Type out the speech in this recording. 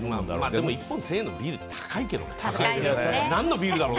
でも１本１０００円のビールは高いけどね。